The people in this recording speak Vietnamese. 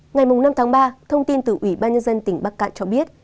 ngày năm tháng ba thông tin từ ủy ban nhân dân tỉnh bắc cạn cho biết